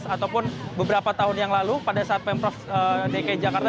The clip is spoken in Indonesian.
ataupun beberapa tahun yang lalu pada saat pemprov dki jakarta